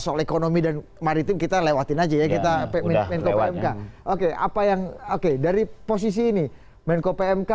soal ekonomi dan maritim kita lewatin aja ya kita menko pmk oke apa yang oke dari posisi ini menko pmk